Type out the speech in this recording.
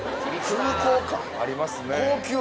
高級感ありますね